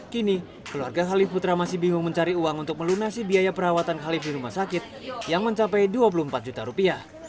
kini keluarga khalif putra masih bingung mencari uang untuk melunasi biaya perawatan khalif di rumah sakit yang mencapai dua puluh empat juta rupiah